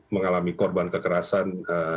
mengalami korban kekerasan